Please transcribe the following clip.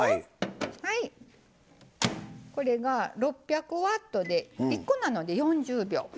これが６００Ｗで１個なので４０秒。